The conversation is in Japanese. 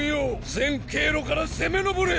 全経路から攻めのぼれ！